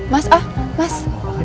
mas ah mas